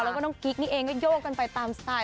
แล้วก็น้องกิ๊กนี่เองก็โยกกันไปตามสไตล